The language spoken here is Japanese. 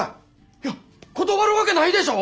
いや断るわけないでしょ！？